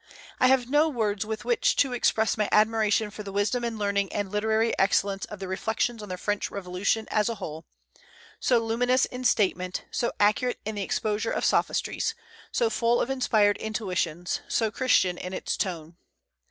I have no words with which to express my admiration for the wisdom and learning and literary excellence of the "Reflections on the French Revolution" as a whole, so luminous in statement, so accurate in the exposure of sophistries, so full of inspired intuitions, so Christian in its tone.